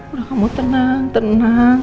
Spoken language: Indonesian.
udah kamu tenang tenang